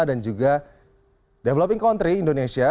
dan juga developing country indonesia